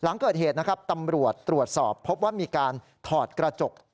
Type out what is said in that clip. หลังเกิดเหตุนะครับตำรวจตรวจสอบพบว่ามีการถอดกระจก